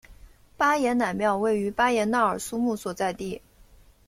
巴彦乃庙位于巴彦淖尔苏木所在地。